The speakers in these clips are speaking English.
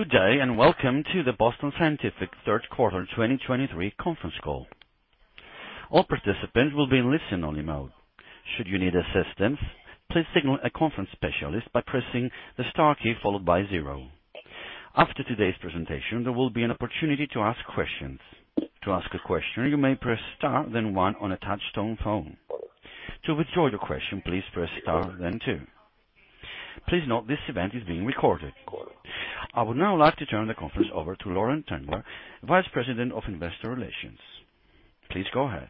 Good day, and welcome to the Boston Scientific Q3 2023 conference call. All participants will be in listen-only mode. Should you need assistance, please signal a conference specialist by pressing the star key followed by zero. After today's presentation, there will be an opportunity to ask questions. To ask a question, you may press star, then one on a touchtone phone. To withdraw your question, please press star, then two. Please note this event is being recorded. I would now like to turn the conference over to Lauren Tengler, Vice President of Investor Relations. Please go ahead.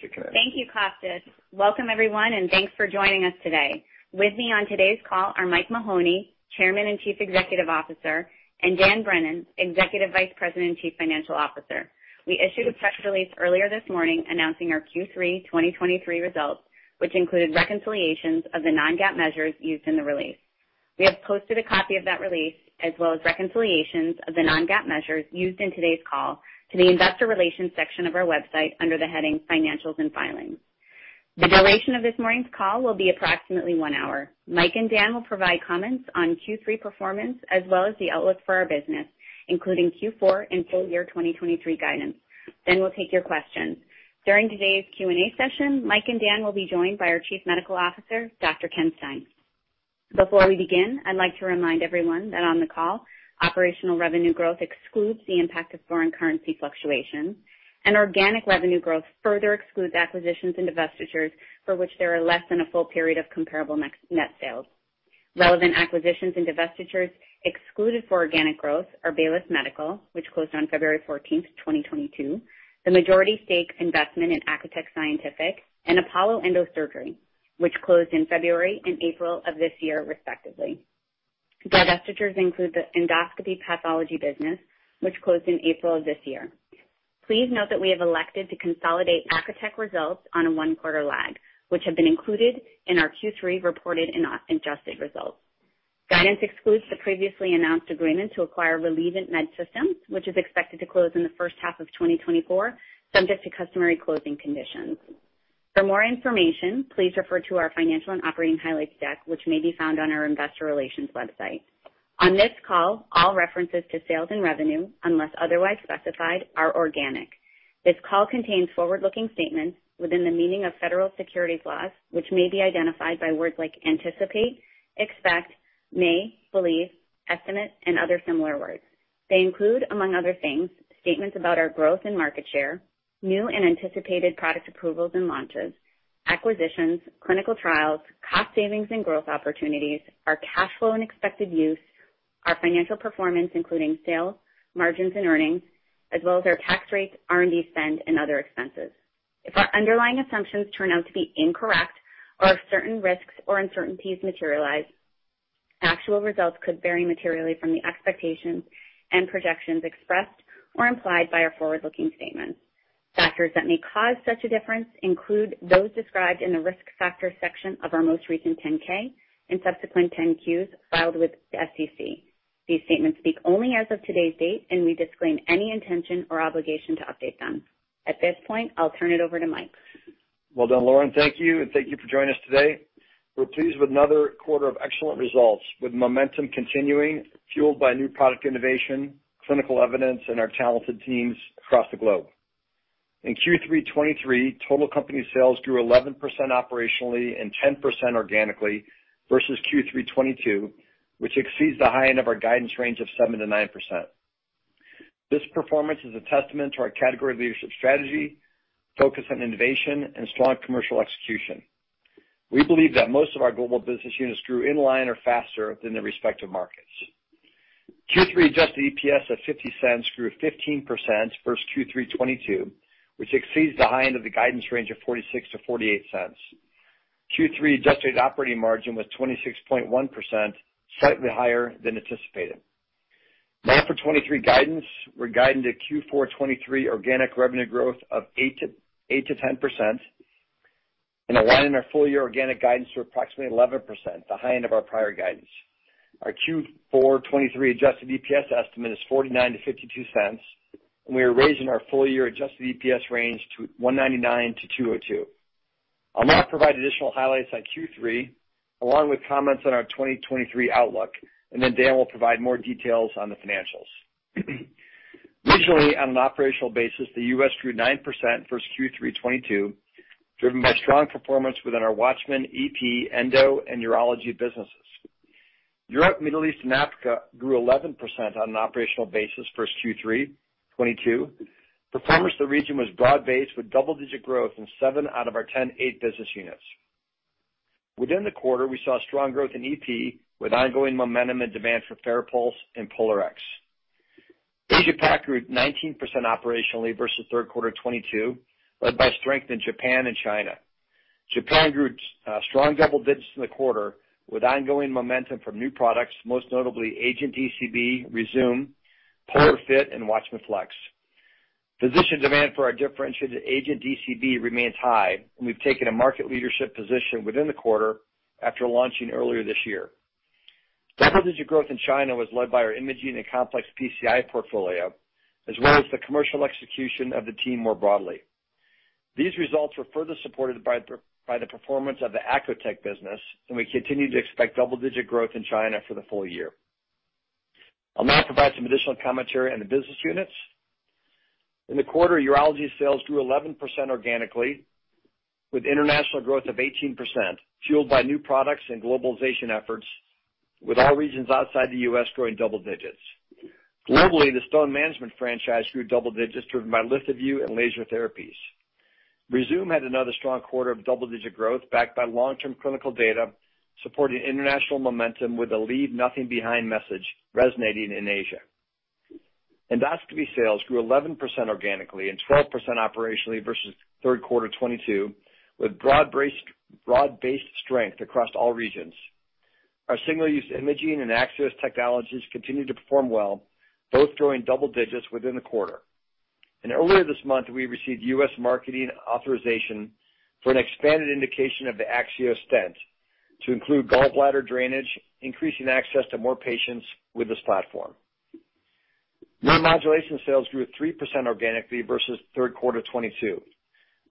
Thank you, Costus. Welcome, everyone, and thanks for joining us today. With me on today's call are Mike Mahoney, Chairman and Chief Executive Officer, and Dan Brennan, Executive Vice President and Chief Financial Officer. We issued a press release earlier this morning announcing our Q3 2023 results, which included reconciliations of the non-GAAP measures used in the release. We have posted a copy of that release, as well as reconciliations of the non-GAAP measures used in today's call to the investor relations section of our website under the heading Financials and Filings. The duration of this morning's call will be approximately one hour. Mike and Dan will provide comments on Q3 performance as well as the outlook for our business, including Q4 and full year 2023 guidance. Then we'll take your questions. During today's Q&A session, Mike and Dan will be joined by our Chief Medical Officer, Dr. Ken Stein. Before we begin, I'd like to remind everyone that on the call, operational revenue growth excludes the impact of foreign currency fluctuations, and organic revenue growth further excludes acquisitions and divestitures for which there are less than a full period of comparable net, net sales. Relevant acquisitions and divestitures excluded for organic growth are Baylis Medical, which closed on February 14, 2022, the majority stake investment in Acotec Scientific and Apollo Endosurgery, which closed in February and April of this year, respectively. Divestitures include the endoscopy pathology business, which closed in April of this year. Please note that we have elected to consolidate Acotec results on a Q1 lag, which have been included in our Q3 reported and adjusted results. Guidance excludes the previously announced agreement to acquire Relievant Medsystems, which is expected to close in the first half of 2024, subject to customary closing conditions. For more information, please refer to our financial and operating highlights deck, which may be found on our investor relations website. On this call, all references to sales and revenue, unless otherwise specified, are organic. This call contains forward-looking statements within the meaning of federal securities laws, which may be identified by words like anticipate, expect, may, believe, estimate, and other similar words. They include, among other things, statements about our growth and market share, new and anticipated product approvals and launches, acquisitions, clinical trials, cost savings and growth opportunities, our cash flow and expected use, our financial performance, including sales, margins and earnings, as well as our tax rates, R&D spend, and other expenses. If our underlying assumptions turn out to be incorrect or if certain risks or uncertainties materialize, actual results could vary materially from the expectations and projections expressed or implied by our forward-looking statements. Factors that may cause such a difference include those described in the Risk Factors section of our most recent 10-K and subsequent 10-Qs filed with the SEC. These statements speak only as of today's date, and we disclaim any intention or obligation to update them. At this point, I'll turn it over to Mike. Well done, Lauren. Thank you, and thank you for joining us today. We're pleased with another quarter of excellent results, with momentum continuing, fueled by new product innovation, clinical evidence, and our talented teams across the globe. In Q3 2023, total company sales grew 11% operationally and 10% organically versus Q3 2022, which exceeds the high end of our guidance range of 7%-9%. This performance is a testament to our category leadership strategy, focus on innovation and strong commercial execution. We believe that most of our global business units grew in line or faster than their respective markets. Q3 adjusted EPS of $0.50 grew 15% versus Q3 2022, which exceeds the high end of the guidance range of $0.46-0.48. Q3 adjusted operating margin was 26.1%, slightly higher than anticipated. Now for 2023 guidance, we're guiding to Q4 2023 organic revenue growth of 8%-10% and aligning our full year organic guidance to approximately 11%, the high end of our prior guidance. Our Q4 2023 adjusted EPS estimate is $0.49-$0.52, and we are raising our full year adjusted EPS range to $1.99-$2.02. I'll now provide additional highlights on Q3, along with comments on our 2023 outlook, and then Dan will provide more details on the financials. Regionally, on an operational basis, the U.S. grew 9% versus Q3 2022, driven by strong performance within our WATCHMAN, EP, Endo and Urology businesses. Europe, Middle East and Africa grew 11% on an operational basis versus Q3 2022. Performance in the region was broad-based, with double-digit growth in seven out of our 10, eight business units. Within the quarter, we saw strong growth in EP, with ongoing momentum and demand for FARAPULSE and POLARx. Asia Pac grew 19% operationally versus Q3 2022, led by strength in Japan and China. Japan grew strong double digits in the quarter, with ongoing momentum from new products, most notably Agent DCB, Rezūm, POLARFit and WATCHMAN FLX. Physician demand for our differentiated Agent DCB remains high, and we've taken a market leadership position within the quarter after launching earlier this year. Double-digit growth in China was led by our imaging and complex PCI portfolio, as well as the commercial execution of the team more broadly. These results were further supported by the performance of the Acotec Scientific business, and we continue to expect double-digit growth in China for the full year. I'll now provide some additional commentary on the business units. In the quarter, urology sales grew 11% organically, with international growth of 18%, fueled by new products and globalization efforts, with all regions outside the U.S. growing double digits. Globally, the stone management franchise grew double digits driven by LithoVue and laser therapies. Rezūm had another strong quarter of double-digit growth, backed by long-term clinical data, supporting international momentum with a leave nothing behind message resonating in Asia. Endoscopy sales grew 11% organically and 12% operationally versus Q3 2022, with broad-based strength across all regions. Our single-use imaging and AXIOS technologies continued to perform well, both growing double digits within the quarter. Earlier this month, we received U.S. marketing authorization for an expanded indication of the AXIOS stent to include gallbladder drainage, increasing access to more patients with this platform. Neuromodulation sales grew at 3% organically versus Q3 2022.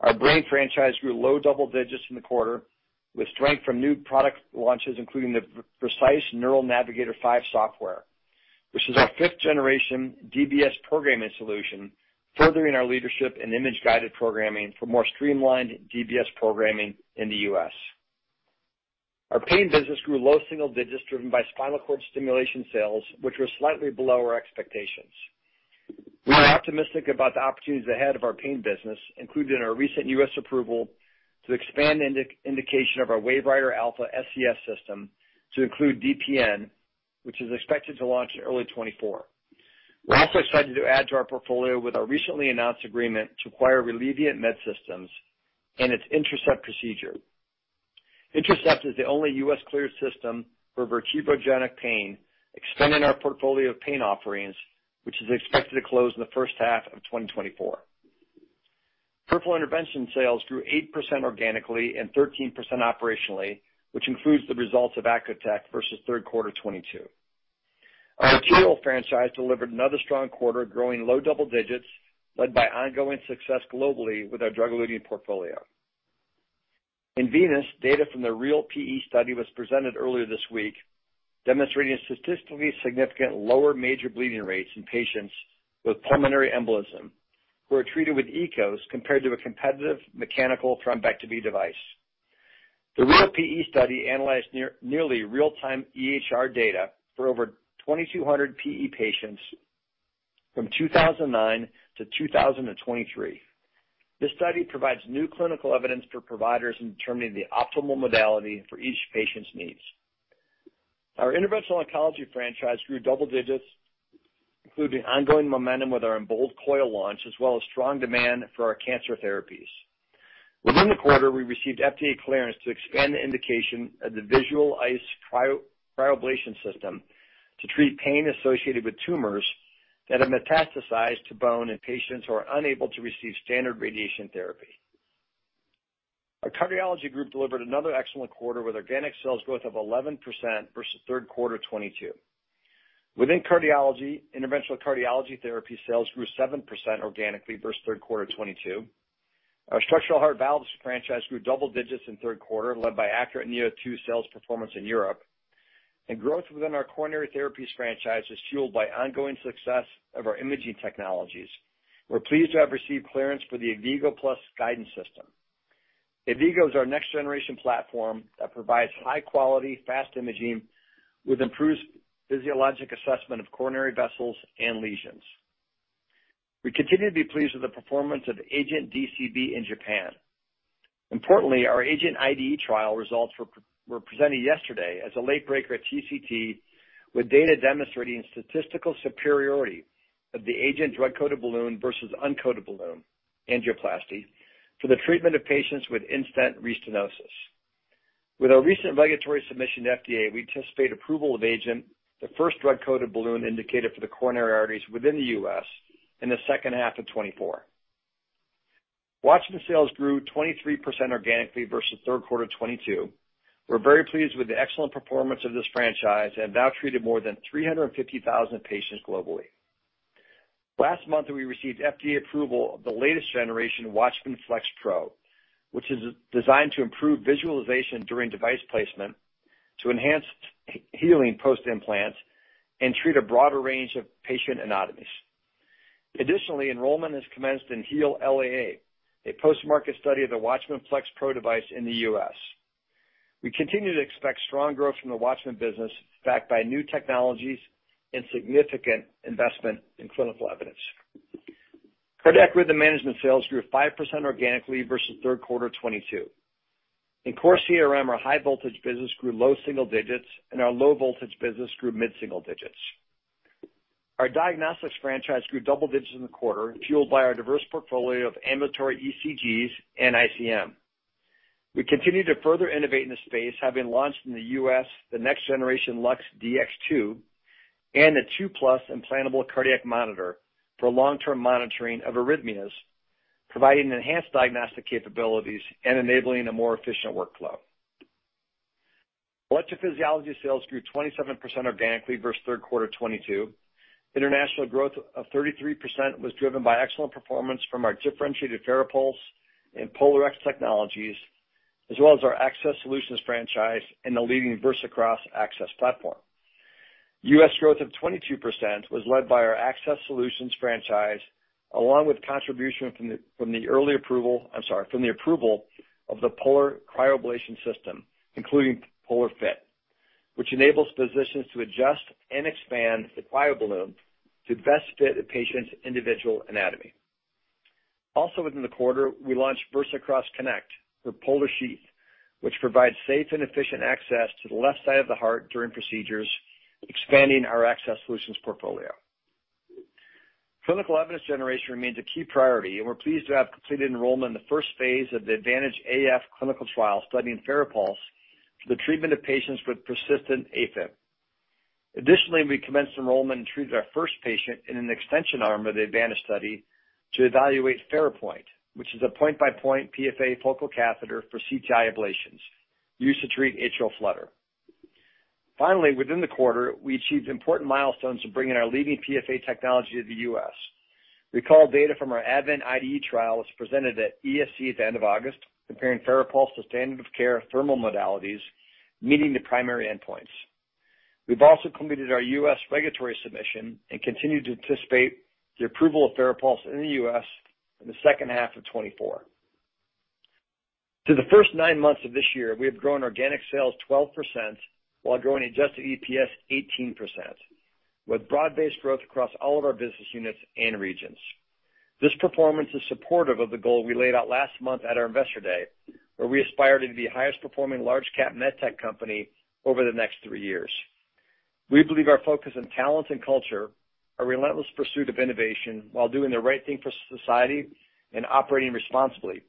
Our brain franchise grew low double digits in the quarter, with strength from new product launches, including the precise Neural Navigator 5 software, which is our fifth generation DBS programming solution, furthering our leadership in image-guided programming for more streamlined DBS programming in the U.S. Our pain business grew low single digits, driven by spinal cord stimulation sales, which were slightly below our expectations. We are optimistic about the opportunities ahead of our pain business, including our recent U.S. approval to expand indication of our WaveWriter Alpha SCS system to include DPN, which is expected to launch in early 2024. We're also excited to add to our portfolio with our recently announced agreement to acquire Relievant Medsystems and its Intracept procedure. Intracept is the only US cleared system for vertebrogenic pain, expanding our portfolio of pain offerings, which is expected to close in the H1 of 2024. Peripheral intervention sales grew 8% organically and 13% operationally, which includes the results of Acotec versus Q3 2022. Our material franchise delivered another strong quarter, growing low double digits, led by ongoing success globally with our drug-eluting portfolio. In venous, data from the REAL PE study was presented earlier this week, demonstrating statistically significant lower major bleeding rates in patients with pulmonary embolism, who were treated with EKOS compared to a competitive mechanical thrombectomy device. The REAL PE study analyzed nearly real-time EHR data for over 2,200 PE patients from 2009 to 2023. This study provides new clinical evidence for providers in determining the optimal modality for each patient's needs. Our interventional oncology franchise grew double digits, including ongoing momentum with our Embold coil launch, as well as strong demand for our cancer therapies. Within the quarter, we received FDA clearance to expand the indication of the VisualICE cryoablation system to treat pain associated with tumors that have metastasized to bone in patients who are unable to receive standard radiation therapy. Our cardiology group delivered another excellent quarter with organic sales growth of 11% versus Q3 2022. Within cardiology, interventional cardiology therapy sales grew 7% organically versus Q3 2022. Our structural heart valves franchise grew double digits in Q3, led by ACURATE neo2 sales performance in Europe. Growth within our coronary therapies franchise is fueled by ongoing success of our imaging technologies. We're pleased to have received clearance for the Avigo+ guidance system. Avigo is our next generation platform that provides high quality, fast imaging with improved physiologic assessment of coronary vessels and lesions. We continue to be pleased with the performance of AGENT DCB in Japan. Importantly, our AGENT IDE trial results were presented yesterday as a late breaker at TCT, with data demonstrating statistical superiority of the AGENT drug-coated balloon versus uncoated balloon angioplasty for the treatment of patients with in-stent restenosis. With our recent regulatory submission to FDA, we anticipate approval of AGENT, the first drug-coated balloon indicated for the coronary arteries within the US in the second half of 2024. WATCHMAN sales grew 23% organically versus Q3 2022. We're very pleased with the excellent performance of this franchise and have now treated more than 350,000 patients globally. Last month, we received FDA approval of the latest generation WATCHMAN FLX Pro, which is designed to improve visualization during device placement, to enhance healing post-implant, and treat a broader range of patient anatomies. Additionally, enrollment has commenced in HEAL-LAA, a post-market study of the WATCHMAN FLX Pro device in the US. We continue to expect strong growth from the Watchman business, backed by new technologies and significant investment in clinical evidence. Cardiac rhythm management sales grew 5% organically versus Q3 2022. In core CRM, our high voltage business grew low single digits, and our low voltage business grew mid-single digits. Our diagnostics franchise grew double digits in the quarter, fueled by our diverse portfolio of ambulatory ECGs and ICM. We continue to further innovate in the space, having launched in the U.S. the next generation LUX-Dx2 and the LUX-Dx2+ implantable cardiac monitor for long-term monitoring of arrhythmias, providing enhanced diagnostic capabilities and enabling a more efficient workflow. Electrophysiology sales grew 27% organically versus Q3 2022. International growth of 33% was driven by excellent performance from our differentiated FARAPULSE and POLARx technologies, as well as our access solutions franchise and the leading VersaCross access platform. U.S. growth of 22% was led by our access solutions franchise, along with contribution from the approval of the POLARx cryoablation system, including POLARFit, which enables physicians to adjust and expand the cryoballoon to best fit a patient's individual anatomy. Also, within the quarter, we launched VersaCross Connect, the POLARSheath, which provides safe and efficient access to the left side of the heart during procedures, expanding our access solutions portfolio. Clinical evidence generation remains a key priority, and we're pleased to have completed enrollment in the first phase of the ADVANTAGE AF clinical trial, studying FARAPULSE for the treatment of patients with persistent AFib. Additionally, we commenced enrollment and treated our first patient in an extension arm of the Advantage study to evaluate FARAPOINT, which is a point-by-point PFA focal catheter for CTI ablations used to treat atrial flutter. Finally, within the quarter, we achieved important milestones in bringing our leading PFA technology to the U.S. Recall data from our ADVENT IDE trial was presented at ESC at the end of August, comparing FARAPULSE to standard of care thermal modalities, meeting the primary endpoints. We've also completed our U.S. regulatory submission and continue to anticipate the approval of FARAPULSE in the U.S. in the H2 of 2024. Through the first nine months of this year, we have grown organic sales 12% while growing adjusted EPS 18%, with broad-based growth across all of our business units and regions. This performance is supportive of the goal we laid out last month at our Investor Day, where we aspired to be the highest performing large cap med tech company over the next three years. We believe our focus on talent and culture, a relentless pursuit of innovation while doing the right thing for society and operating responsibly,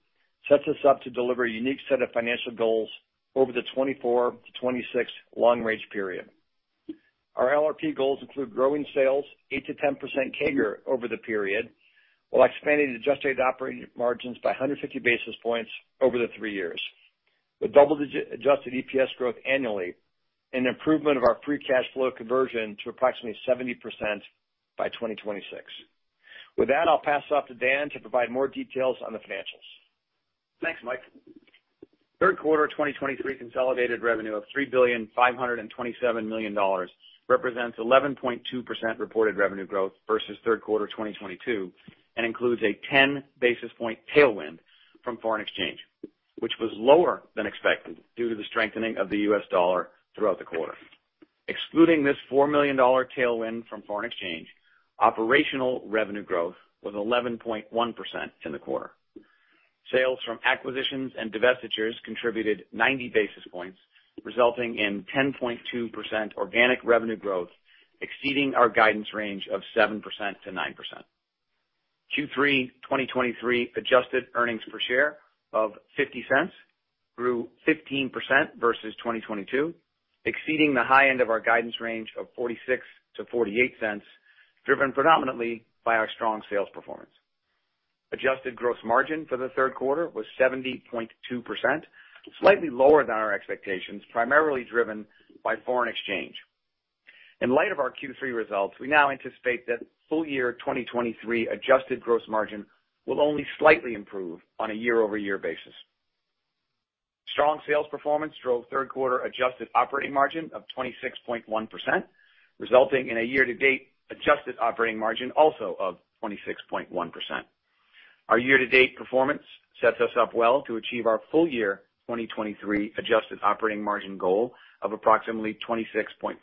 sets us up to deliver a unique set of financial goals over the 2024-2026 long range period. Our LRP goals include growing sales 8%-10% CAGR over the period, while expanding the adjusted operating margins by 150 basis points over the three years, with double digit-adjusted EPS growth annually and improvement of our free cash flow conversion to approximately 70% by 2026. With that, I'll pass it off to Dan to provide more details on the financials. Thanks, Mike. Q3 2023 consolidated revenue of $3.527 billion represents 11.2% reported revenue growth versus Q3 2022, and includes a 10 basis point tailwind from foreign exchange, which was lower than expected due to the strengthening of the U.S. dollar throughout the quarter. Excluding this $4 million tailwind from foreign exchange, operational revenue growth was 11.1% in the quarter. Sales from acquisitions and divestitures contributed 90 basis points, resulting in 10.2% organic revenue growth, exceeding our guidance range of 7%-9%. Q3 2023 adjusted earnings per share of $0.50 grew 15% versus 2022, exceeding the high end of our guidance range of $0.46-$0.48, driven predominantly by our strong sales performance. Adjusted gross margin for the Q3 was 70.2%, slightly lower than our expectations, primarily driven by foreign exchange. In light of our Q3 results, we now anticipate that full year 2023 adjusted gross margin will only slightly improve on a year-over-year basis. Strong sales performance drove Q3 adjusted operating margin of 26.1%, resulting in a year-to-date adjusted operating margin also of 26.1%. Our year-to-date performance sets us up well to achieve our full year 2023 adjusted operating margin goal of approximately 26.4%,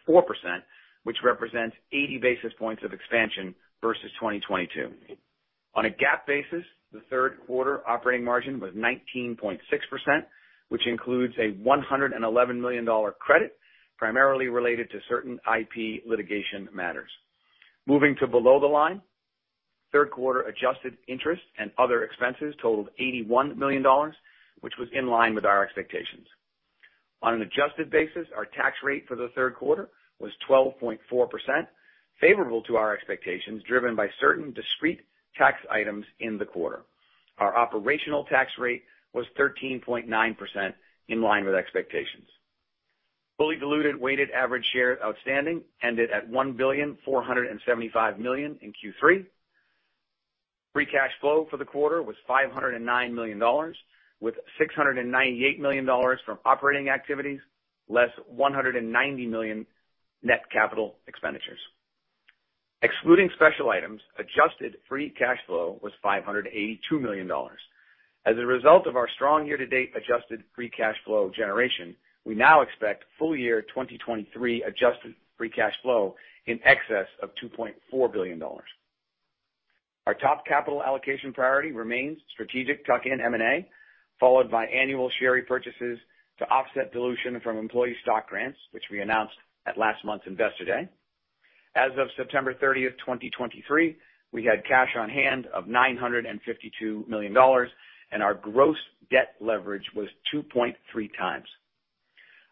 which represents 80 basis points of expansion versus 2022. On a GAAP basis, the Q3 operating margin was 19.6%, which includes a $111 million credit, primarily related to certain IP litigation matters. Moving to below the line, Q3 adjusted interest and other expenses totaled $81 million, which was in line with our expectations. On an adjusted basis, our tax rate for the Q3 was 12.4%, favorable to our expectations, driven by certain discrete tax items in the quarter. Our operational tax rate was 13.9%, in line with expectations. Fully diluted weighted average shares outstanding ended at 1,475 million in Q3. Free cash flow for the quarter was $509 million, with $698 million from operating activities, less $190 million net capital expenditures. Excluding special items, adjusted free cash flow was $582 million. As a result of our strong year-to-date adjusted free cash flow generation, we now expect full year 2023 adjusted free cash flow in excess of $2.4 billion. Our top capital allocation priority remains strategic tuck-in M&A, followed by annual share repurchases to offset dilution from employee stock grants, which we announced at last month's Investor Day. As of September 30th, 2023, we had cash on hand of $952 million, and our gross debt leverage was 2.3 times.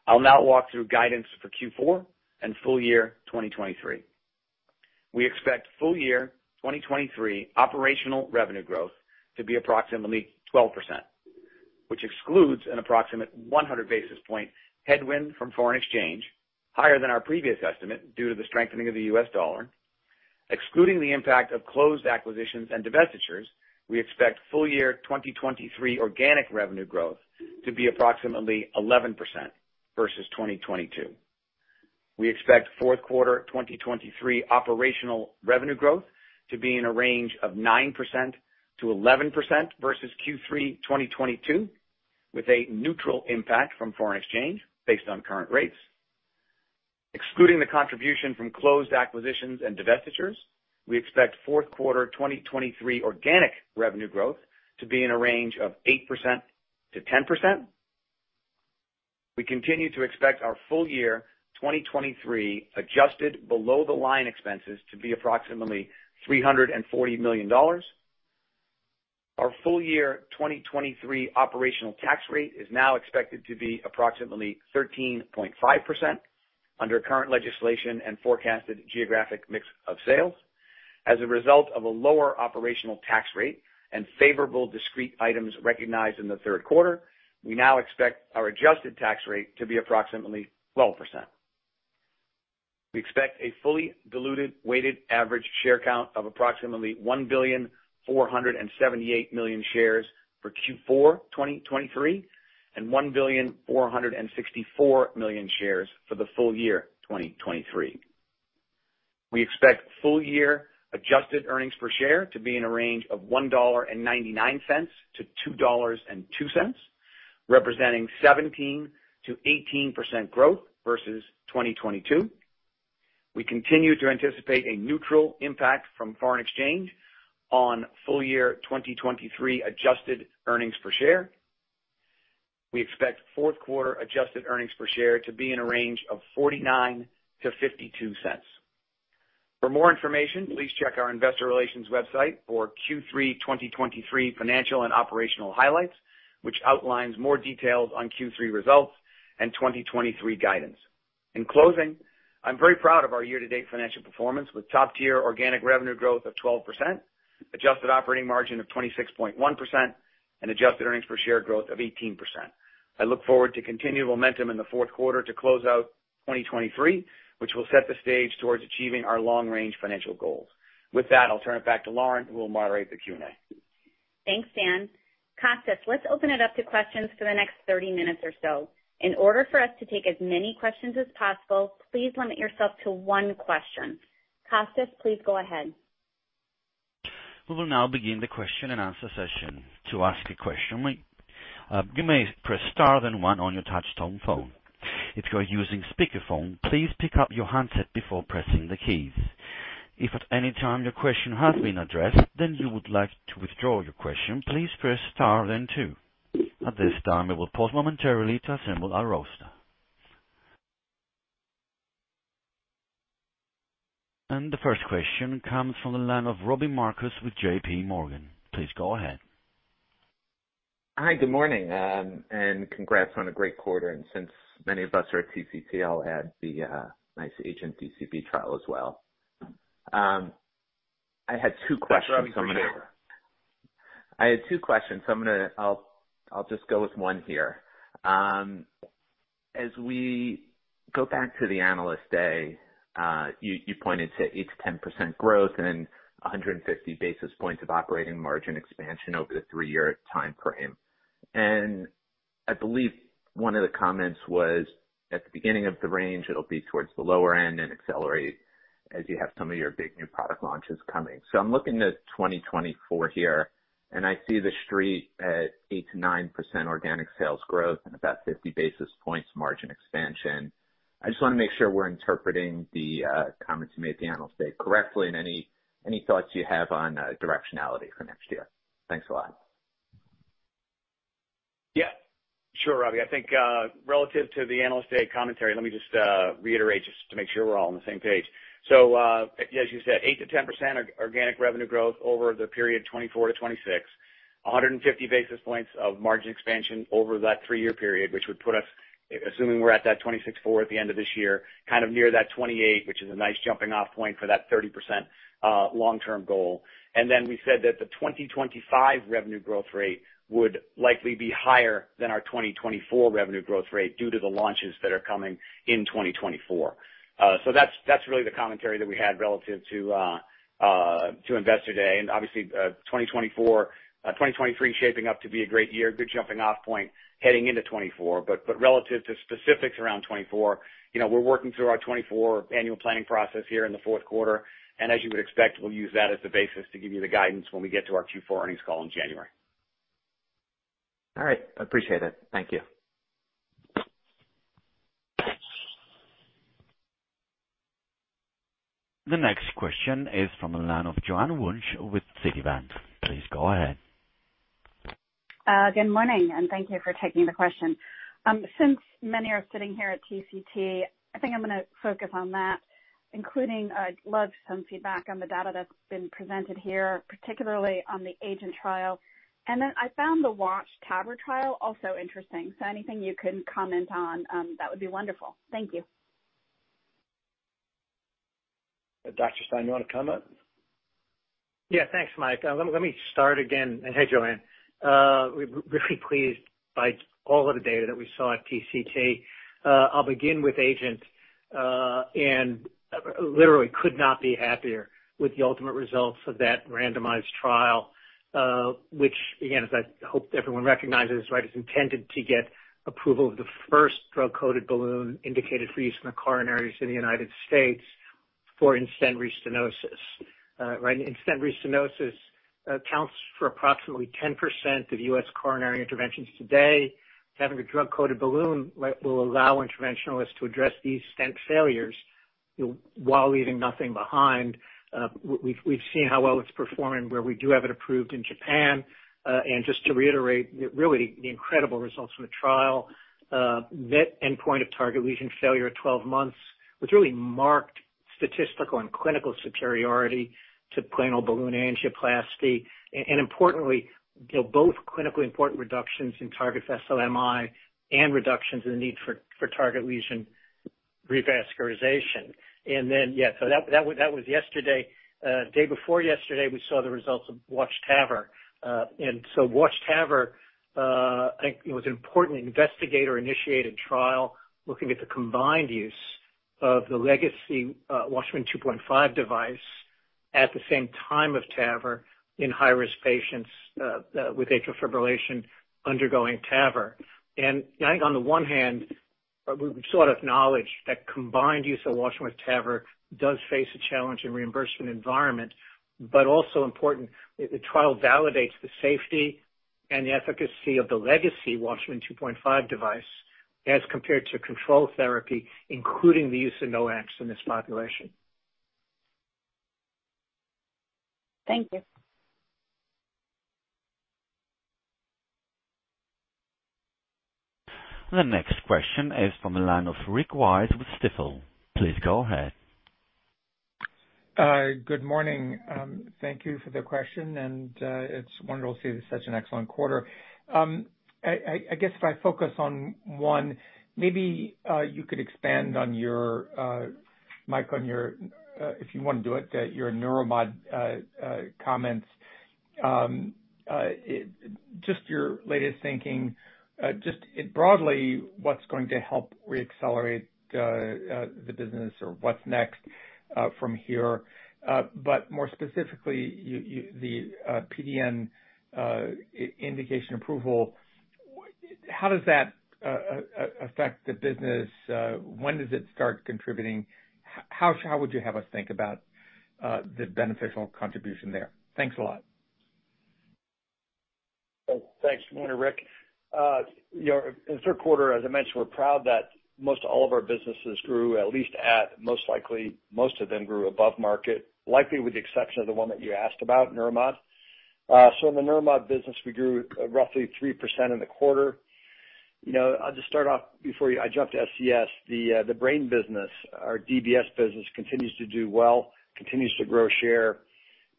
I'll now walk through guidance for Q4 and full year 2023. We expect full year 2023 operational revenue growth to be approximately 12%, which excludes an approximate 100 basis point headwind from foreign exchange, higher than our previous estimate due to the strengthening of the US dollar. Excluding the impact of closed acquisitions and divestitures, we expect full year 2023 organic revenue growth to be approximately 11% versus 2022. We expect Q4 2023 operational revenue growth to be in a range of 9%-11% versus Q3 2022, with a neutral impact from foreign exchange based on current rates. Excluding the contribution from closed acquisitions and divestitures, we expect Q4 2023 organic revenue growth to be in a range of 8%-10%. We continue to expect our full year 2023 adjusted below-the-line expenses to be approximately $340 million. Our full year 2023 operational tax rate is now expected to be approximately 13.5% under current legislation and forecasted geographic mix of sales. As a result of a lower operational tax rate and favorable discrete items recognized in the Q3, we now expect our adjusted tax rate to be approximately 12%. We expect a fully diluted weighted average share count of approximately 1,478 million shares for Q4 2023, and 1,464 million shares for the full year 2023. We expect full year adjusted earnings per share to be in a range of $1.99-$2.02, representing 17%-18% growth versus 2022. We continue to anticipate a neutral impact from foreign exchange on full year 2023 adjusted earnings per share. We expect Q4 adjusted earnings per share to be in a range of 49-52 cents. For more information, please check our investor relations website for Q3 2023 financial and operational highlights, which outlines more details on Q3 results and 2023 guidance. In closing, I'm very proud of our year-to-date financial performance, with top-tier organic revenue growth of 12%, adjusted operating margin of 26.1%, and adjusted earnings per share growth of 18%. I look forward to continued momentum in the Q4 to close out 2023, which will set the stage towards achieving our long-range financial goals. With that, I'll turn it back to Lauren, who will moderate the Q&A. Thanks, Dan. Costas, let's open it up to questions for the next 30 minutes or so. In order for us to take as many questions as possible, please limit yourself to one question. Costas, please go ahead. We will now begin the question and answer session. To ask a question, please, you may press Star then One on your touchtone phone. If you are using speakerphone, please pick up your handset before pressing the keys. If at any time your question has been addressed, then you would like to withdraw your question, please press Star then Two. At this time, we will pause momentarily to assemble our roster. The first question comes from the line of Robbie Marcus with JPMorgan. Please go ahead. Hi, good morning, and congrats on a great quarter. And since many of us are at TCT, I'll add the nice AGENT DCB trial as well. I had two questions, so I'm gonna. I'll just go with one here. As we go back to the Analyst Day, you pointed to 8%-10% growth and 150 basis points of operating margin expansion over the three-year timeframe. And I believe one of the comments was, at the beginning of the range, it'll be towards the lower end and accelerate as you have some of your big new product launches coming. So I'm looking at 2024 here, and I see the street at 8%-9% organic sales growth and about 50 basis points margin expansion. I just wanna make sure we're interpreting the comments you made at the Analyst Day correctly and any thoughts you have on directionality for next year. Thanks a lot. Yeah, sure, Robbie. I think, relative to the Analyst Day commentary, let me just reiterate, just to make sure we're all on the same page. So, as you said, 8%-10% organic revenue growth over the period 2024-2026, 150 basis points of margin expansion over that three-year period, which would put us, assuming we're at that 26.4 at the end of this year, kind of near that 28, which is a nice jumping off point for that 30% long-term goal. And then we said that the 2025 revenue growth rate would likely be higher than our 2024 revenue growth rate due to the launches that are coming in 2024. So that's really the commentary that we had relative to Investor Day. And obviously, 2024, 2023 is shaping up to be a great year, good jumping off point heading into 2024. But relative to specifics around 2024, you know, we're working through our 2024 annual planning process here in the Q4, and as you would expect, we'll use that as the basis to give you the guidance when we get to our Q4 earnings call in January. All right, I appreciate it. Thank you. The next question is from the line of Joanne Wuensch with Citibank. Please go ahead. Good morning, and thank you for taking the question. Since many are sitting here at TCT, I think I'm gonna focus on that, including I'd love some feedback on the data that's been presented here, particularly on the AGENT trial. And then I found the WATCHMAN Tacti trial also interesting, so anything you can comment on, that would be wonderful. Thank you. Dr. Stein, you want to comment? Yeah, thanks, Mike. Let me start again, and hey, Joanne. We're really pleased by all of the data that we saw at TCT. I'll begin with Agent and literally could not be happier with the ultimate results of that randomized trial, which again, as I hope everyone recognizes, right, is intended to get approval of the first drug-coated balloon indicated for use in the coronaries in the United States for in-stent restenosis. Right, in-stent restenosis counts for approximately 10% of US coronary interventions today. Having a drug-coated balloon will allow interventionalists to address these stent failures, you know, while leaving nothing behind. We've seen how well it's performing, where we do have it approved in Japan. And just to reiterate, really the incredible results from the trial, that endpoint of target lesion failure at 12 months, with really marked statistical and clinical superiority to plain old balloon angioplasty. And importantly, you know, both clinically important reductions in target vessel MI and reductions in the need for target lesion revascularization. And then, yeah, so that was yesterday. Day before yesterday, we saw the results of WATCH-TAVR. And so WATCH-TAVR, I think it was an important investigator-initiated trial, looking at the combined use of the legacy Watchman 2.5 device at the same time of TAVR in high-risk patients with atrial fibrillation undergoing TAVR. I think on the one hand, we sort of acknowledge that combined use of Watchman with TAVR does face a challenge in reimbursement environment, but also important, the trial validates the safety and the efficacy of the legacy Watchman 2.5 device as compared to control therapy, including the use of NOACs in this population. Thank you. The next question is from the line of Rick Wise with Stifel. Please go ahead. Good morning. Thank you for the question, and it's wonderful to see such an excellent quarter. I guess if I focus on one, maybe you could expand on your, Mike, on your, if you want to do it, your Neuromod comments. Just your latest thinking, just broadly, what's going to help reaccelerate the business or what's next from here? But more specifically, you, the PDN indication approval, how does that affect the business? When does it start contributing? How would you have us think about the beneficial contribution there? Thanks a lot. Thanks. Good morning, Rick. You know, in the Q3, as I mentioned, we're proud that most all of our businesses grew, at least at most likely, most of them grew above market, likely with the exception of the one that you asked about, Neuromod. So in the Neuromod business, we grew roughly 3% in the quarter. You know, I'll just start off, before I jump to SCS, the brain business, our DBS business continues to do well, continues to grow share,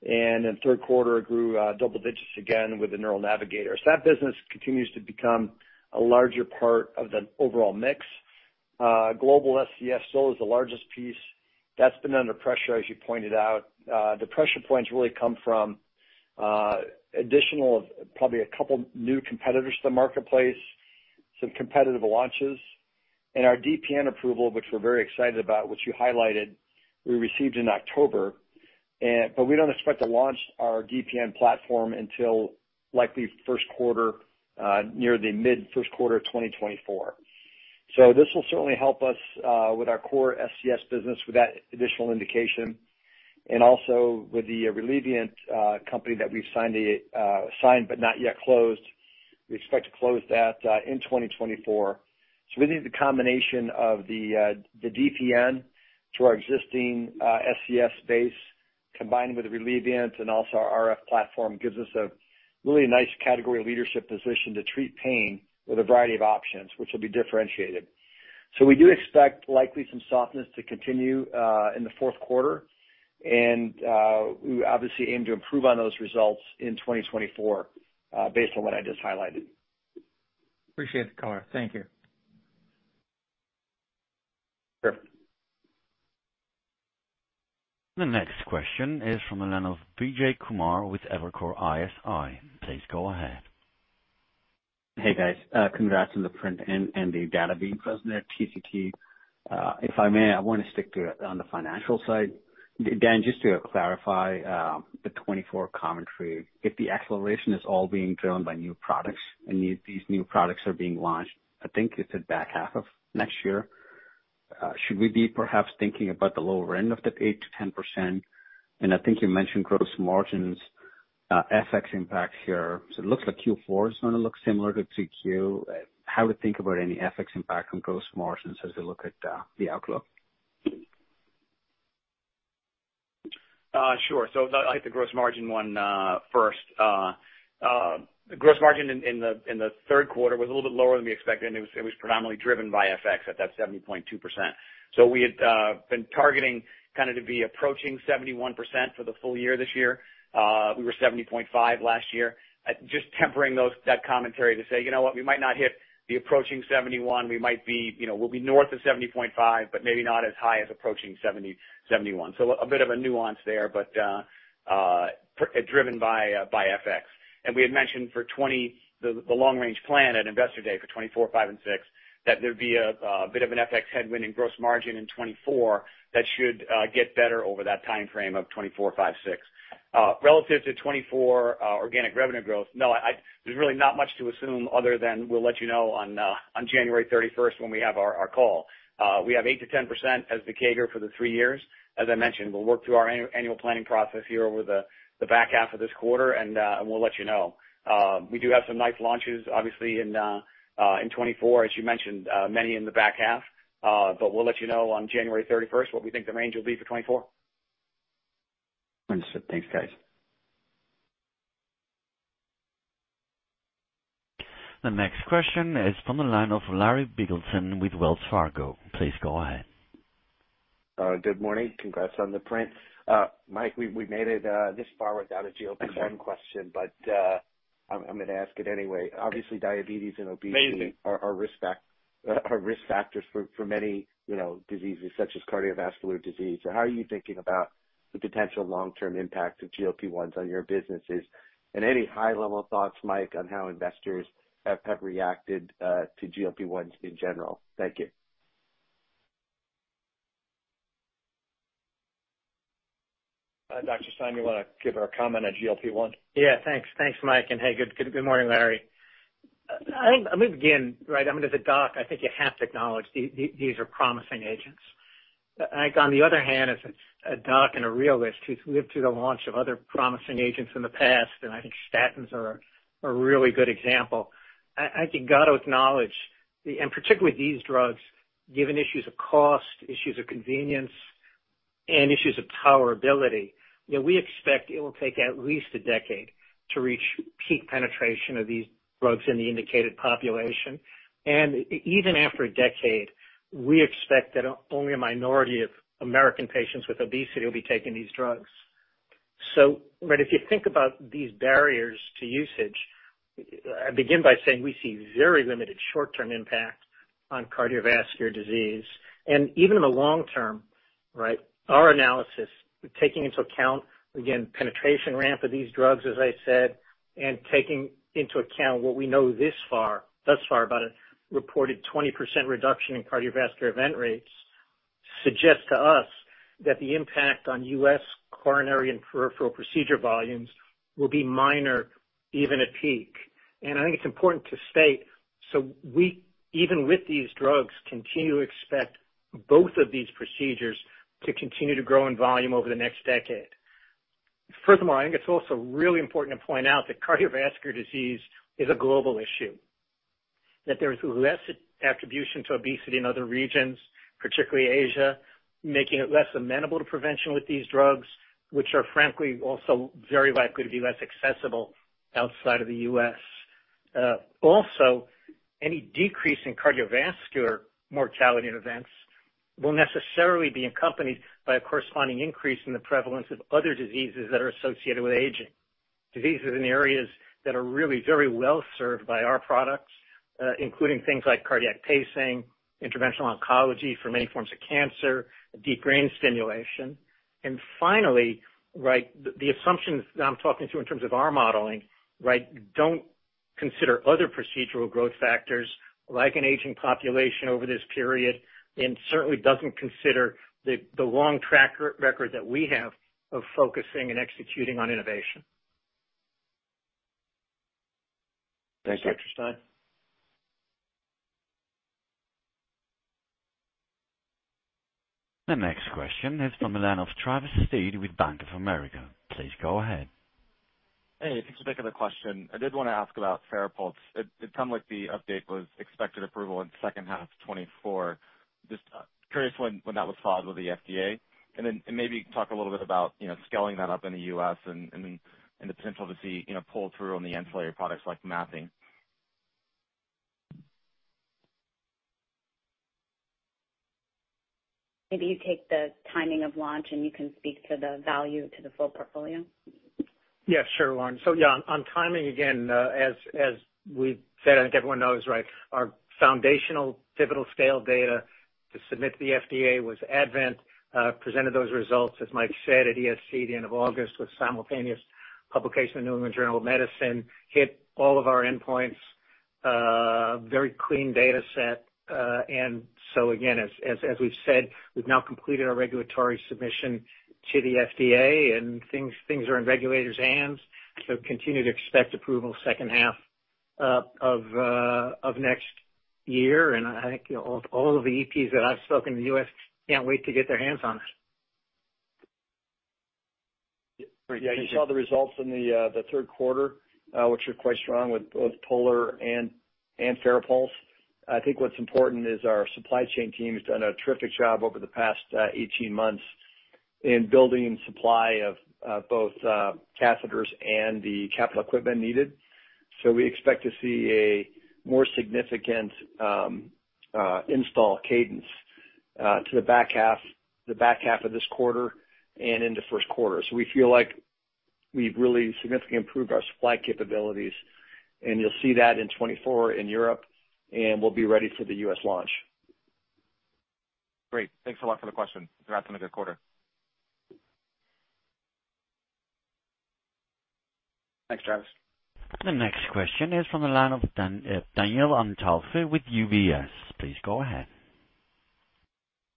and in the Q3, it grew double digits again with the Neural Navigator. So that business continues to become a larger part of the overall mix. Global SCS still is the largest piece. That's been under pressure, as you pointed out. The pressure points really come from additional, probably a couple new competitors to the marketplace, some competitive launches, and our DPN approval, which we're very excited about, which you highlighted, we received in October. But we don't expect to launch our DPN platform until likely Q1 near the mid Q1 of 2024. So this will certainly help us with our core SCS business with that additional indication, and also with the Relievant company that we've signed but not yet closed. We expect to close that in 2024. So we think the combination of the DPN to our existing SCS base, combined with Relievant and also our RF platform, gives us a really nice category leadership position to treat pain with a variety of options, which will be differentiated. We do expect likely some softness to continue in the Q4, and we obviously aim to improve on those results in 2024, based on what I just highlighted. Appreciate the color. Thank you. Sure. The next question is from the line of Vijay Kumar with Evercore ISI. Please go ahead. Hey, guys. Congrats on the print and the data being presented at TCT. If I may, I want to stick to it on the financial side. Dan, just to clarify, the 2024 commentary, if the acceleration is all being driven by new products and these new products are being launched, I think you said back half of next year, should we be perhaps thinking about the lower end of the 8%-10%? And I think you mentioned gross margins, FX impact here. So it looks like Q4 is going to look similar to 3Q. How we think about any FX impact on gross margins as we look at the outlook? Sure. So I'll hit the gross margin one first. The gross margin in the Q3 was a little bit lower than we expected, and it was predominantly driven by FX at that 70.2%. So we had been targeting kind of to be approaching 71% for the full year this year. We were 70.5 last year. Just tempering those, that commentary to say, "You know what? We might not hit the approaching 71. We might be, you know, we'll be north of 70.5, but maybe not as high as approaching 70, 71." So a bit of a nuance there, but driven by FX. And we had mentioned for 2020, the long range plan at Investor Day for 2024, 2025, and 2026, that there'd be a bit of an FX headwind in gross margin in 2024, that should get better over that timeframe of 2024, 2025, 2026. Relative to 2024, organic revenue growth. No, I, there's really not much to assume other than we'll let you know on January 31 when we have our call. We have 8%-10% as the CAGR for the three years. As I mentioned, we'll work through our annual planning process here over the back half of this quarter, and we'll let you know. We do have some nice launches, obviously, in 2024, as you mentioned, many in the back half. But we'll let you know on January 31st what we think the range will be for 2024. Understood. Thanks, guys. The next question is from the line of Larry Biegelsen with Wells Fargo. Please go ahead. Good morning. Congrats on the print. Mike, we, we made it this far without a GLP-1 question- Amazing. but, I'm gonna ask it anyway. Obviously, diabetes and obesity- Amazing! Are risk factors for many, you know, diseases such as cardiovascular disease. So how are you thinking about the potential long-term impact of GLP-1s on your businesses? And any high-level thoughts, Mike, on how investors have reacted to GLP-1s in general? Thank you. Dr. Stein, you want to give our comment on GLP-1? Yeah, thanks. Thanks, Mike, and hey, good morning, Larry. Let me begin, right? I mean, as a doc, I think you have to acknowledge these are promising AGENT. On the other hand, as a doc and a realist, who's lived through the launch of other promising AGENT in the past, and I think statins are a really good example. I think you've got to acknowledge, and particularly with these drugs, given issues of cost, issues of convenience, and issues of tolerability, you know, we expect it will take at least a decade to reach peak penetration of these drugs in the indicated population. And even after a decade, we expect that only a minority of American patients with obesity will be taking these drugs. But if you think about these barriers to usage, I begin by saying we see very limited short-term impact on cardiovascular disease, and even in the long term, right, our analysis, taking into account, again, penetration ramp of these drugs, as I said, and taking into account what we know thus far, about a reported 20% reduction in cardiovascular event rates, suggests to us that the impact on U.S. coronary and peripheral procedure volumes will be minor, even at peak. I think it's important to state, so we, even with these drugs, continue to expect both of these procedures to continue to grow in volume over the next decade. Furthermore, I think it's also really important to point out that cardiovascular disease is a global issue, that there's less attribution to obesity in other regions, particularly Asia, making it less amenable to prevention with these drugs, which are frankly also very likely to be less accessible outside of the U.S. Also, any decrease in cardiovascular mortality and events will necessarily be accompanied by a corresponding increase in the prevalence of other diseases that are associated with aging. Diseases in the areas that are really very well served by our products, including things like cardiac pacing, interventional oncology for many forms of cancer, deep brain stimulation. And finally, right, the assumptions that I'm talking to in terms of our modeling, right, don't consider other procedural growth factors like an aging population over this period, and certainly doesn't consider the long track record that we have of focusing and executing on innovation. Thanks, Dr. Stein. The next question is from the line of Travis Steed with Bank of America. Please go ahead. Hey, thanks for taking the question. I did want to ask about FARAPULSE. It sounded like the update was expected approval in the second half of 2024. Just curious when that was filed with the FDA? And then, maybe talk a little bit about, you know, scaling that up in the U.S. and the potential to see, you know, pull through on the ancillary products like mapping. Maybe you take the timing of launch, and you can speak to the value to the full portfolio. Yeah, sure, Lauren. So yeah, on timing again, as, as we've said, I think everyone knows, right, our foundational pivotal scale data to submit to the FDA was presented those results, as Mike said, at ESC the end of August, with simultaneous publication of the New England Journal of Medicine, hit all of our endpoints, very clean data set. And so again, as, as, as we've said, we've now completed our regulatory submission to the FDA, and things, things are in regulators' hands. So continue to expect approval second half, of, of next year. And I think all, all of the EPs that I've spoken to in the U.S. can't wait to get their hands on it. Yeah, you saw the results in the Q3, which are quite strong with both POLAR and FARAPULSE. I think what's important is our supply chain team has done a terrific job over the past 18 months in building supply of both catheters and the capital equipment needed. So we expect to see a more significant install cadence to the back half, the back half of this quarter and into Q1. So we feel like we've really significantly improved our supply capabilities, and you'll see that in 2024 in Europe, and we'll be ready for the U.S. launch. Great. Thanks for answering the question. Congrats on a good quarter. Thanks, Travis. The next question is from the line of Dan, Danielle Antalffy with UBS. Please go ahead.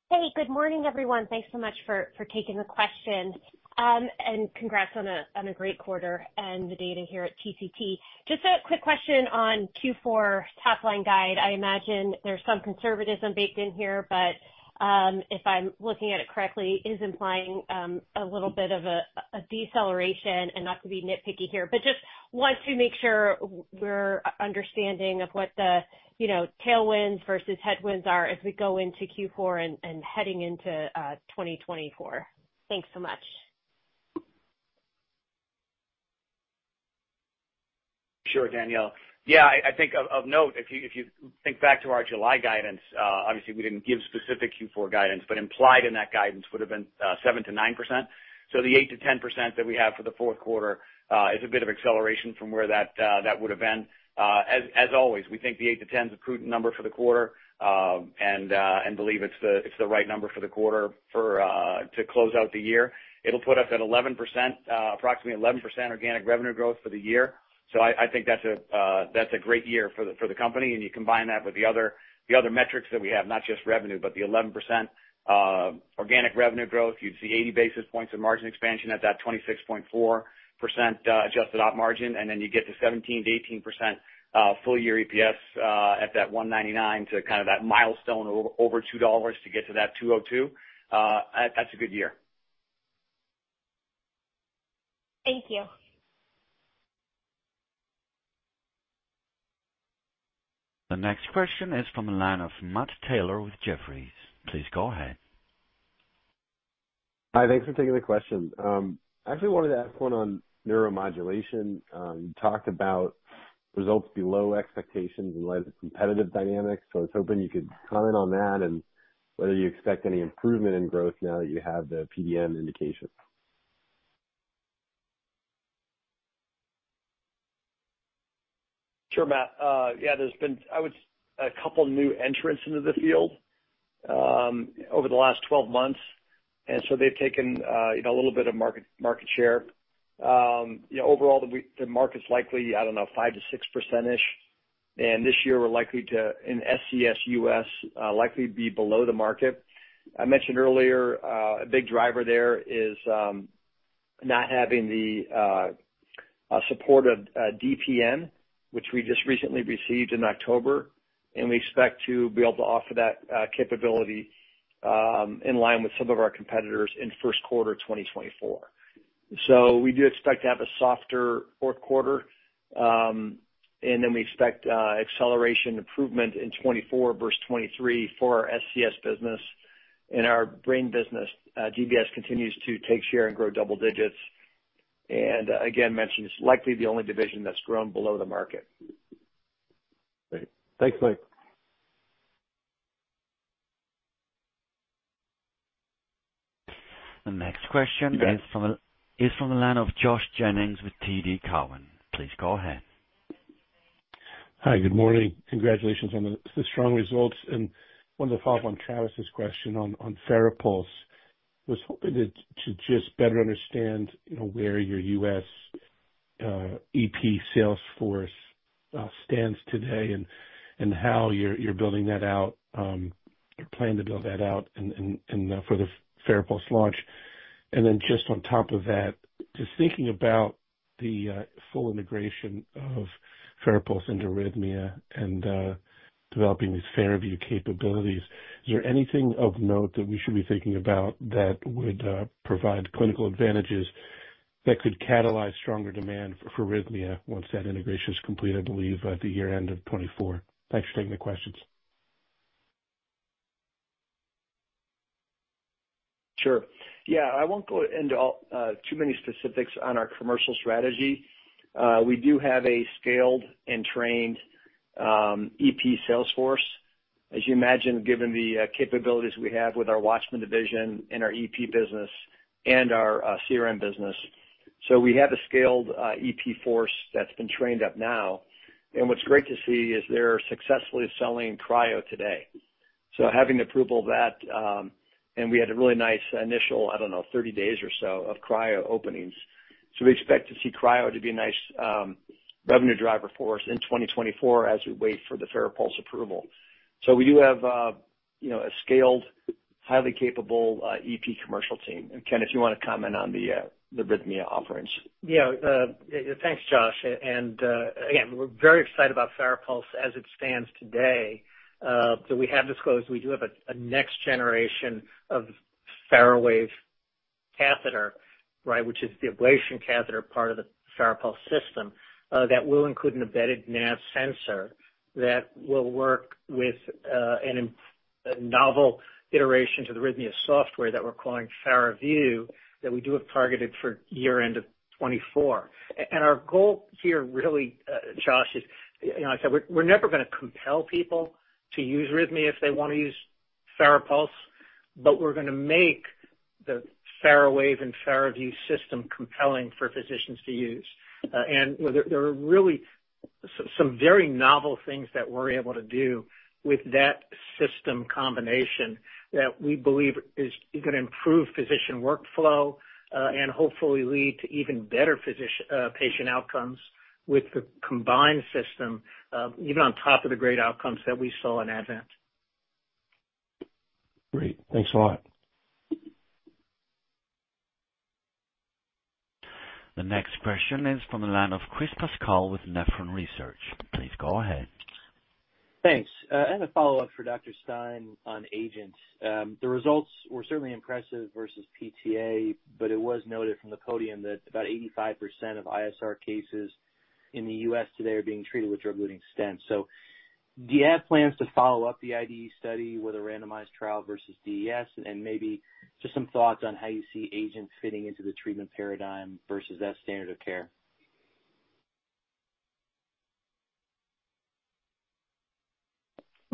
Hey, good morning, everyone. Thanks so much for taking the question, and congrats on a great quarter and the data here at TCT. Just a quick question on Q4 top line guide. I imagine there's some conservatism baked in here, but if I'm looking at it correctly, is implying a little bit of a deceleration and not to be nitpicky here, but just want to make sure we're understanding of what the, you know, tailwinds versus headwinds are as we go into Q4 and heading into 2024. Thanks so much. Sure, Danielle. Yeah, I think of note, if you think back to our July guidance, obviously we didn't give specific Q4 guidance, but implied in that guidance would have been 7%-9%. So the 8%-10% that we have for the Q4 is a bit of acceleration from where that would've been. As always, we think the 8%-10% is a prudent number for the quarter, and believe it's the right number for the quarter to close out the year. It'll put us at 11%, approximately 11% organic revenue growth for the year. I think that's a great year for the company, and you combine that with the other metrics that we have, not just revenue, but the 11% organic revenue growth. You'd see 80 basis points of margin expansion at that 26.4% adjusted op margin, and then you get to 17%-18% full year EPS, at that $1.99 to kind of that milestone over $2 to get to that $2.02. That's a good year. Thank you. The next question is from the line of Matt Taylor with Jefferies. Please go ahead. Hi, thanks for taking the question. I actually wanted to ask one on neuromodulation. You talked about results below expectations and less competitive dynamics, so I was hoping you could comment on that and whether you expect any improvement in growth now that you have the PDM indication? Sure, Matt. Yeah, there's been, I would say a couple new entrants into the field over the last 12 months, and so they've taken you know, a little bit of market share. You know, overall, the market's likely, I don't know, 5%-6% ish, and this year we're likely to, in SCS US, likely be below the market. I mentioned earlier, a big driver there is not having the support of DPN, which we just recently received in October, and we expect to be able to offer that capability in line with some of our competitors in Q1 2024. So we do expect to have a softer Q4, and then we expect acceleration improvement in 2024 versus 2023 for our SCS business. In our brain business, DBS continues to take share and grow double digits, and again, mentioned it's likely the only division that's grown below the market. Great. Thanks, Mike. The next question- Okay... is from the line of Josh Jennings with TD Cowen. Please go ahead. Hi, good morning. Congratulations on the strong results. Wanted to follow up on Travis's question on FARAPULSE. Was hoping to just better understand, you know, where your US EP sales force stands today and how you're building that out, your plan to build that out and for the FARAPULSE launch. Then just on top of that, just thinking about the full integration of FARAPULSE into RHYTHMIA and developing these FARAVIEW capabilities, is there anything of note that we should be thinking about that would provide clinical advantages that could catalyze stronger demand for RHYTHMIA once that integration is complete, I believe, by the year-end of 2024? Thanks for taking the questions. Sure. Yeah, I won't go into all, too many specifics on our commercial strategy. We do have a scaled and trained EP sales force, as you imagine, given the capabilities we have with our Watchman division and our EP business and our CRM business. We have a scaled EP force that's been trained up now, and what's great to see is they're successfully selling Cryo today. Having the approval of that, and we had a really nice initial, I don't know, 30 days or so of Cryo openings. We expect to see Cryo to be a nice revenue driver for us in 2024 as we wait for the FARAPULSE approval. We do have, you know, a scaled, highly capable EP commercial team. Ken, if you wanna comment on the arrhythmia offerings. Yeah. Thanks, Josh, and again, we're very excited about FARAPULSE as it stands today. So we have disclosed we do have a next generation of FARAWAVE catheter right, which is the ablation catheter part of the FARAPULSE system, that will include an embedded nav sensor that will work with, a novel iteration to the RHYTHMIA software that we're calling FARAVIEW, that we do have targeted for year-end of 2024. And our goal here, really, Josh, is, you know, I said we're, we're never gonna compel people to use RHYTHMIA if they want to use FARAPULSE, but we're gonna make the FARAWAVE and FARAVIEW system compelling for physicians to use. And there, there are really some, some very novel things that we're able to do with that system combination, that we believe is gonna improve physician workflow, and hopefully lead to even better physician, patient outcomes with the combined system, even on top of the great outcomes that we saw in Advent. Great. Thanks a lot. The next question is from the line of Chris Pasquale with Nephron Research. Please go ahead. Thanks. A follow-up for Dr. Stein on agents. The results were certainly impressive versus PTA, but it was noted from the podium that about 85% of ISR cases in the U.S. today are being treated with drug-eluting stents. Do you have plans to follow up the IDE study with a randomized trial versus DES? Maybe just some thoughts on how you see agents fitting into the treatment paradigm versus that standard of care?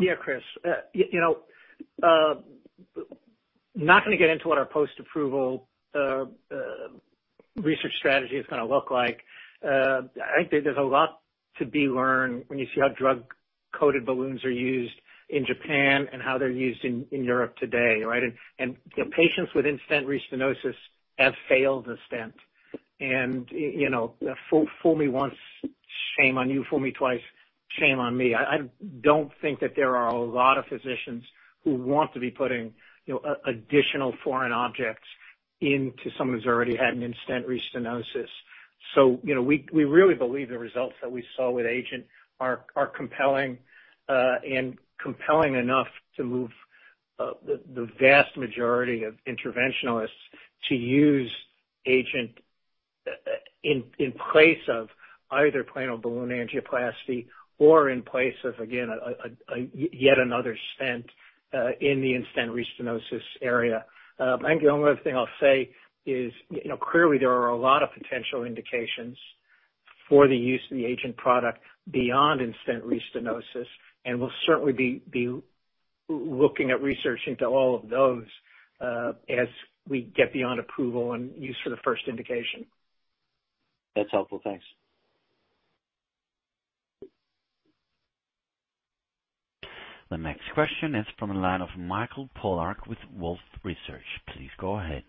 Yeah, Chris, you know, not gonna get into what our post-approval research strategy is gonna look like. I think there's a lot to be learned when you see how drug-coated balloons are used in Japan and how they're used in Europe today, right? You know, patients with in stent restenosis have failed a stent. You know, fool me once, shame on you, fool me twice, shame on me. I don't think that there are a lot of physicians who want to be putting, you know, additional foreign objects into someone who's already had an in stent restenosis. So, you know, we really believe the results that we saw with AGENT are compelling, and compelling enough to move the vast majority of interventionalists to use AGENT in place of either plain old balloon angioplasty or in place of, again, a yet another stent in the in-stent restenosis area. I think the only other thing I'll say is, you know, clearly there are a lot of potential indications for the use of the AGENT product beyond in-stent restenosis, and we'll certainly be looking at researching to all of those as we get beyond approval and use for the first indication. That's helpful. Thanks. The next question is from the line of Mike Polark with Wolfe Research. Please go ahead.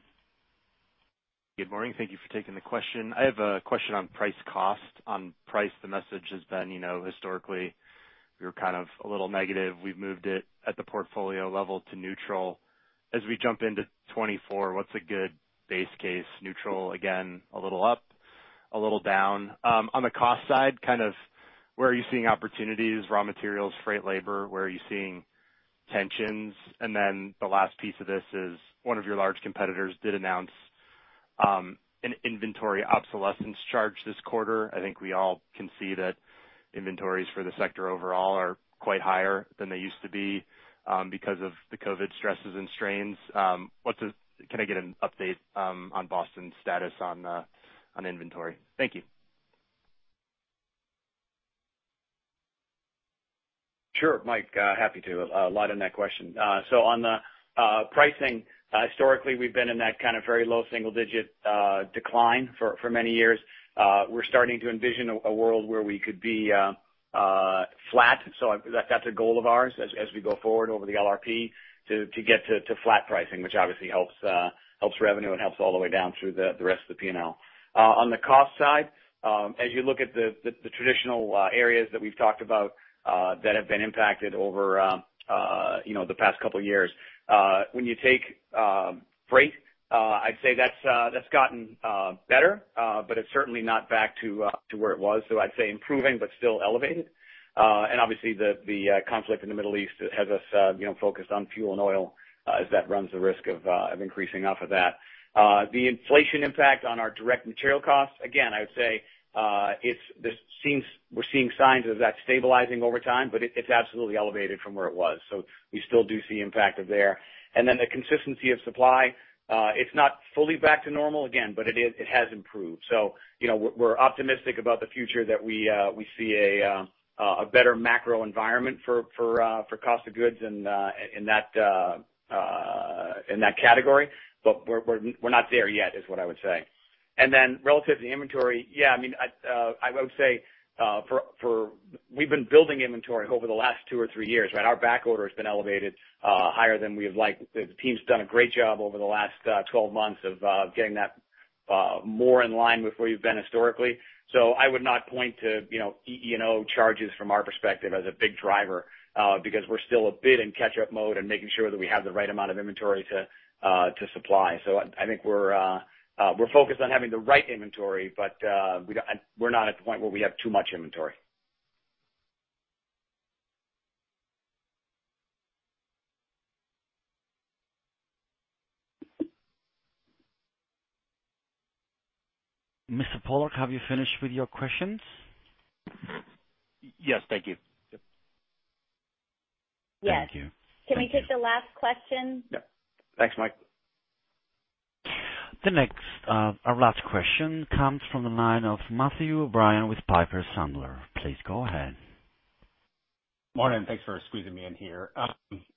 Good morning. Thank you for taking the question. I have a question on price cost. On price, the message has been, you know, historically, we were kind of a little negative. We've moved it at the portfolio level to neutral. As we jump into 2024, what's a good base case neutral? Again, a little up, a little down. On the cost side, kind of where are you seeing opportunities, raw materials, freight, labor, where are you seeing tensions? And then the last piece of this is, one of your large competitors did announce, an inventory obsolescence charge this quarter. I think we all can see that inventories for the sector overall are quite higher than they used to be, because of the COVID stresses and strains. Can I get an update on Boston's status on inventory? Thank you. Sure, Mike, happy to. A lot in that question. So on the pricing, historically, we've been in that kind of very low single digit decline for many years. We're starting to envision a world where we could be flat. So that's a goal of ours as we go forward over the LRP to get to flat pricing, which obviously helps revenue and helps all the way down through the rest of the P&L. On the cost side, as you look at the traditional areas that we've talked about that have been impacted over, you know, the past couple years, when you take freight, I'd say that's gotten better, but it's certainly not back to where it was. So I'd say improving, but still elevated. And obviously the conflict in the Middle East has us, you know, focused on fuel and oil, as that runs the risk of increasing off of that. The inflation impact on our direct material costs, again, I would say, we're seeing signs of that stabilizing over time, but it's absolutely elevated from where it was. So we still do see impact of there. Then the consistency of supply, it's not fully back to normal again, but it has improved. So, you know, we're optimistic about the future that we see a better macro environment for cost of goods and that in that category, but we're not there yet, is what I would say. Then relative to the inventory, yeah, I mean, I would say. We've been building inventory over the last 2 or 3 years, right? Our backorder has been elevated higher than we've liked. The team's done a great job over the last 12 months of getting that more in line with where you've been historically. So I would not point to, you know, IO charges from our perspective as a big driver, because we're still a bit in catch-up mode and making sure that we have the right amount of inventory to supply. So I think we're focused on having the right inventory, but we don't- we're not at the point where we have too much inventory. Mr. Polark, have you finished with your questions? Yes, thank you. Yes. Thank you. Can we take the last question? Yep. Thanks, Mike. The next, our last question comes from the line of Matthew O'Brien with Piper Sandler. Please go ahead. Morning. Thanks for squeezing me in here.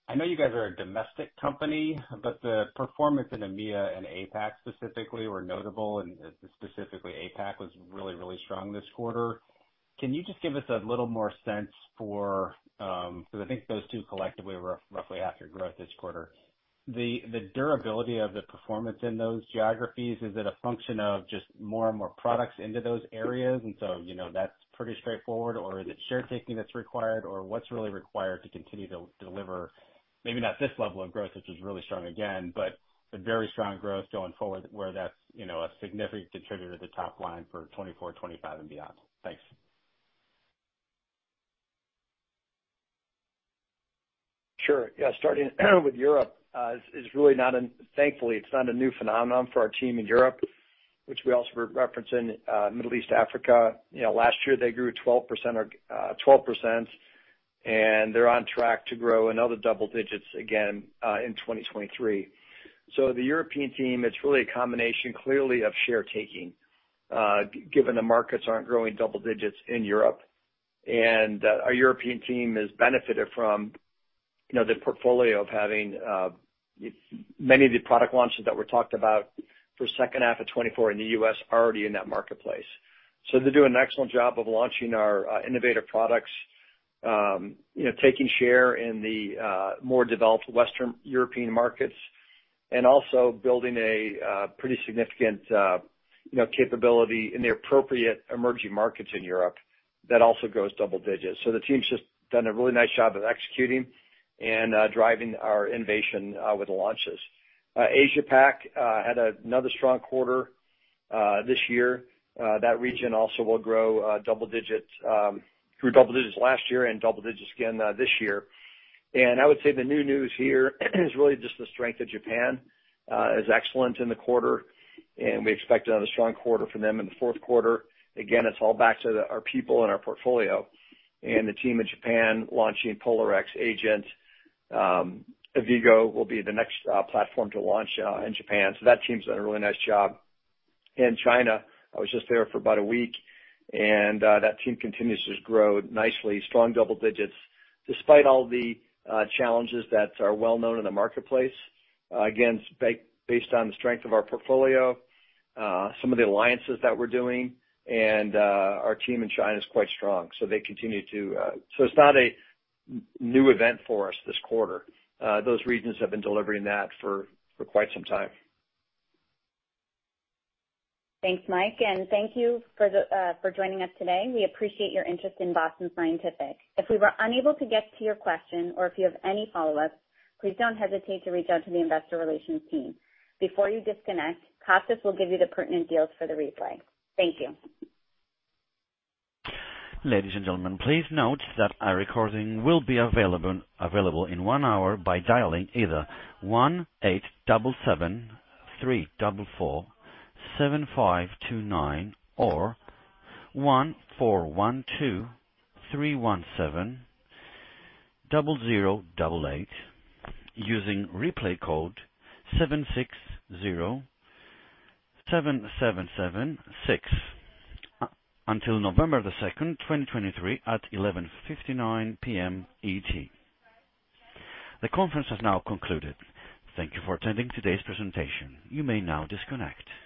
I know you guys are a domestic company, but the performance in EMEA and APAC specifically were notable, and specifically APAC was really, really strong this quarter. Can you just give us a little more sense for, because I think those two collectively were roughly half your growth this quarter. The durability of the performance in those geographies, is it a function of just more and more products into those areas? And so, you know, that's pretty straightforward. Or is it share taking that's required? Or what's really required to continue to deliver maybe not this level of growth, which is really strong again, but a very strong growth going forward where that's, you know, a significant contributor to top line for 2024, 2025 and beyond. Thanks. Sure. Yeah. Starting with Europe is really not a new phenomenon for our team in Europe, which we also were referencing, Middle East, Africa. You know, last year, they grew 12% or 12%, and they're on track to grow another double digits again in 2023. So the European team, it's really a combination, clearly of share taking, given the markets aren't growing double digits in Europe. And our European team has benefited from, you know, the portfolio of having many of the product launches that were talked about for second half of 2024 in the U.S. already in that marketplace. So they do an excellent job of launching our innovative products, you know, taking share in the more developed Western European markets and also building a pretty significant, you know, capability in the appropriate emerging markets in Europe. That also grows double digits. So the team's just done a really nice job of executing and driving our innovation with the launches. Asia Pac had another strong quarter this year. That region also will grow double digits, grew double digits last year and double digits again this year. And I would say the new news here is really just the strength of Japan is excellent in the quarter, and we expect another strong quarter for them in the Q4. Again, it's all back to our people and our portfolio and the team in Japan launching POLARx, Agent. Avigo+ will be the next platform to launch in Japan. So that team's done a really nice job. In China, I was just there for about a week, and that team continues to grow nicely. Strong double digits, despite all the challenges that are well known in the marketplace. Again, based on the strength of our portfolio, some of the alliances that we're doing and our team in China is quite strong, so they continue to... So it's not a new event for us this quarter. Those regions have been delivering that for quite some time. Thanks, Mike, and thank you for joining us today. We appreciate your interest in Boston Scientific. If we were unable to get to your question or if you have any follow-ups, please don't hesitate to reach out to the investor relations team. Before you disconnect, Costus will give you the pertinent details for the replay. Thank you. Ladies and gentlemen, please note that our recording will be available in one hour by dialing either 1-877-344-7529 or 1-412-317-0088 using replay code 7607776 until November 2, 2023 at 11:59 P.M. ET. The conference has now concluded. Thank you for attending today's presentation. You may now disconnect.